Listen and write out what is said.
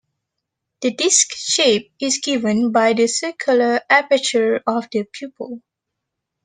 The disk shape is given by the circular aperture of the pupil.